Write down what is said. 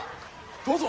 どうぞ。